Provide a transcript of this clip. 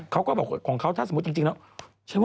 ถ้าจะของเขาจริงแล้ว